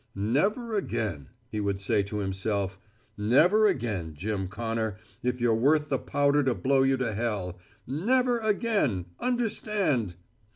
"Never again," he would say to himself, "never again, Jim Connor, if you're worth the powder to blow you to hell. Never again, understand!